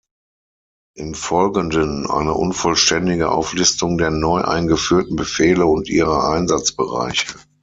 Im Folgenden eine unvollständige Auflistung der neu eingeführten Befehle und ihrer Einsatzbereiche.